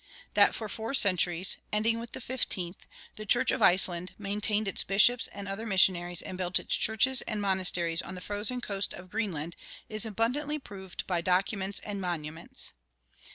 That for four centuries, ending with the fifteenth, the church of Iceland maintained its bishops and other missionaries and built its churches and monasteries on the frozen coast of Greenland is abundantly proved by documents and monuments.